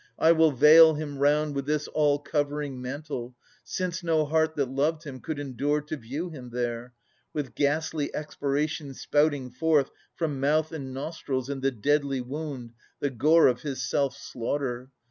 I will veil him round With this all covering mantle ; since no heart That loved him could endure to view him there, With ghastly expiration spouting forth From mouth and nostrils, and the deadly wound, The gore of his self slaughter.